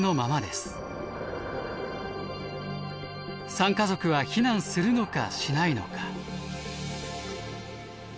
３家族は避難するのかしないのか。